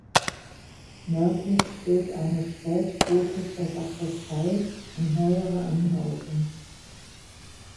Nördlich steht eine spätgotische Sakristei und neuere Anbauten.